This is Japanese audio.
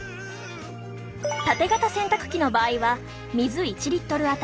たて型洗濯機の場合は水１Ｌあたり